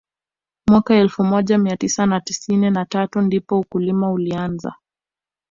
Mwaka elfu moja mia tisa na tisini na tatu ndipo ukulima ulianza